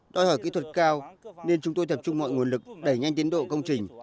đòi hỏi kỹ thuật cao nên chúng tôi tập trung mọi nguồn lực đẩy nhanh tiến độ công trình